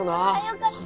よかった。